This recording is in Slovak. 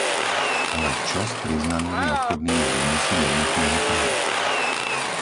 Ale čo s priznanými obchodnými výnosmi jednotného trhu?